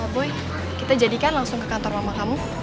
boy kita jadikan langsung ke kantor mama kamu